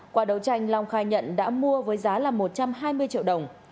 qua đấu tranh long khai nhận đã mua với giá là một trăm hai mươi triệu đồng